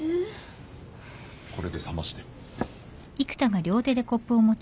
これでさまして。